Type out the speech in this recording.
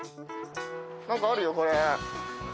何かあるよこれ。